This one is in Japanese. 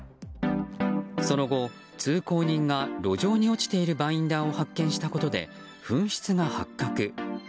その後、通行人が路上に落ちているバインダーを発見したことで紛失が発覚。